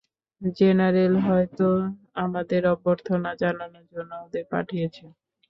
General হয়তো আমাদের অভ্যর্থনা জানানোর জন্য ওদের পাঠিয়েছে।